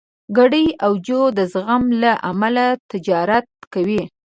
ګېري او جو د زغم له امله تجارت کوي.